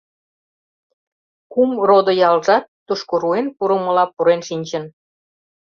Кум «родо» ялжат тушко руэн пурымыла пурен шинчын.